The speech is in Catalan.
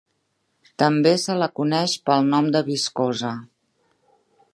També se la coneix pel nom de viscosa.